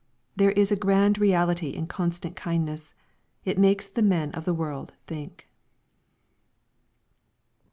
There is a grand reality in constant kindness. It makes the men of the world think.